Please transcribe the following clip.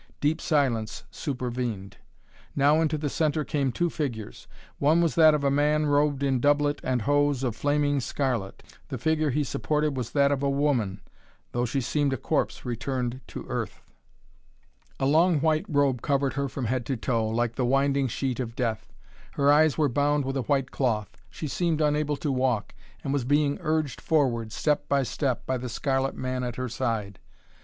Deep silence supervened. Now into the centre came two figures. One was that of a man robed in doublet and hose of flaming scarlet. The figure he supported was that of a woman, though she seemed a corpse returned to earth. A long white robe covered her from head to toe, like the winding sheet of death. Her eyes were bound with a white cloth. She seemed unable to walk, and was being urged forward, step by step, by the scarlet man at her side.